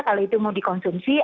kalau itu mau dikonsumsi